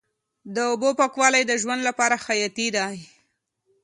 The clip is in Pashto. د اوبو پاکوالی د ژوند لپاره حیاتي دی.